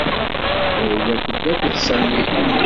Layla tedda akked Sami.